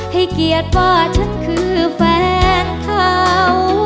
ให้เกียรติว่าฉันคือแฟนเขา